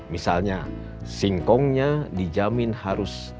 misalnya singkongnya dijamin harus